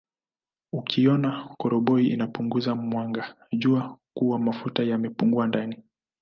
Ukiona koroboi inapunguza mwanga jua kuwa mafuta yamepungua ndani